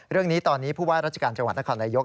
เรื่องนี้ตอนนี้ผู้ว่าราชการจังหวัดนครนายก